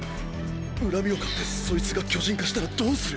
恨みを買ってそいつが巨人化したらどうする？